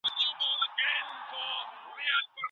د زړه ناروغۍ څنګه تشخیص کیږي؟